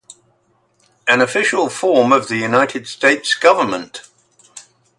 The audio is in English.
An official form of the United States government.